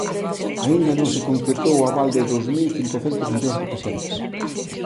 Aínda non se concretou o aval de dous mil cincocentos millóns de pesetas